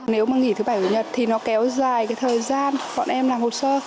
nếu mà nghỉ thứ bảy chủ nhật thì nó kéo dài cái thời gian bọn em làm hồ sơ